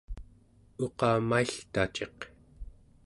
uqamailtaciq